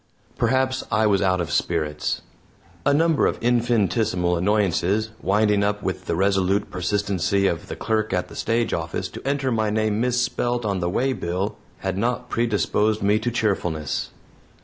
Perhaps I was out of spirits. A number of infinitesimal annoyances, winding up with the resolute persistency of the clerk at the stage office to enter my name misspelt on the waybill, had not predisposed me to cheerfulness.